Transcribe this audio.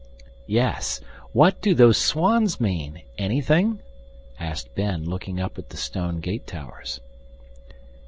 "Yes. What do those swans mean? Anything?" asked Ben, looking up at the stone gate towers.